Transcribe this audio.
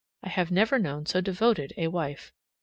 I have never known so devoted a wife.